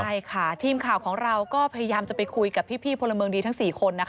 ใช่ค่ะทีมข่าวของเราก็พยายามจะไปคุยกับพี่พลเมืองดีทั้ง๔คน